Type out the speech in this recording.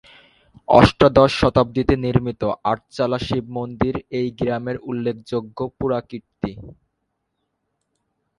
অষ্টাদশ শতাব্দীতে নির্মিত আটচালা শিবমন্দির এই গ্রামের উল্লেখযোগ্য পুরাকীর্তি।